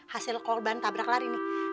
hasil korban tabrak lari nih